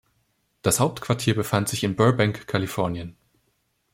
Das Hauptquartier befand sich in Burbank, Kalifornien.